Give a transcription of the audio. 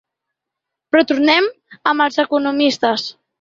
Però tornem amb els economistes.